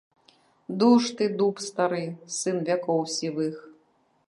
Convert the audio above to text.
Дуж ты, дуб стары, сын вякоў сівых!